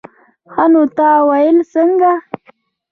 ښه نو تا ويل څنگه.